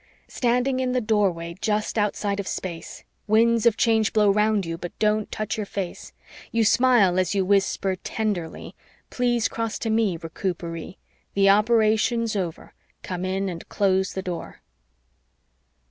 _Standing in the Doorway just outside of space, Winds of Change blow 'round you but don't touch your face; You smile as you whisper tenderly, "Please cross to me, Recuperee; The operation's over, come in and close the Door."